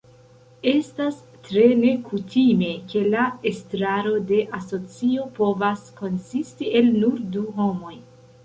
Estas tre nekutime, ke la estraro de asocio povas konsisti el nur du homoj.